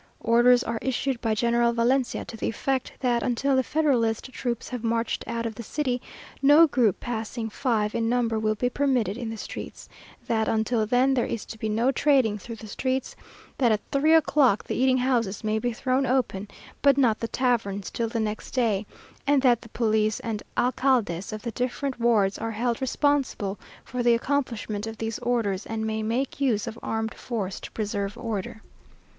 Orders are issued by General Valencia to the effect, that until the Federalist troops have marched out of the city, no group passing five in number will be permitted in the streets; that until then, there is to be no trading through the streets; that at three o'clock the eating houses may be thrown open, but not the taverns till the next day; and that the police and alcaldes of the different wards are held responsible for the accomplishment of these orders, and may make use of armed force to preserve order.